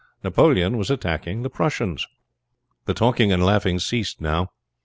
Napoleon was attacking the Prussians. The talking and laughing ceased now.